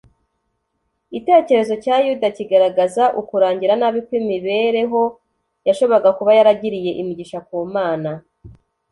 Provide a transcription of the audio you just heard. itekerezo cya yuda kigaragaza ukurangira nabi kw’imibereho yashoboraga kuba yaragiriye imigisha ku mana